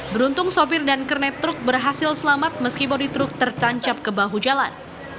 beruntung sopir dan kernet truk berhasil selamat meski bodi truk tertancap ke bahu jalan